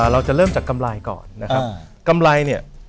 เราจะเริ่มจากกำไรก่อนนะครับกำไรเนี่ย